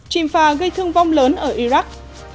chìm phà gây thương vong lớn ở iraq